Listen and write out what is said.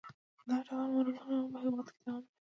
دا ډول مرګونه په هېواد کې دوام لري.